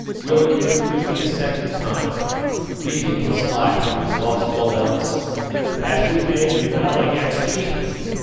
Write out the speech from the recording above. Will you refuse me a second time? Leave him his life who has lost all else." "That he may rebel against me?